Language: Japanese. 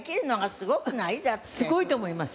すごいと思います。